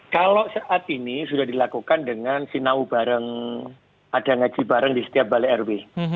kalau saat ini sudah dilakukan dengan sinau bareng ada ngaji bareng di setiap balai rw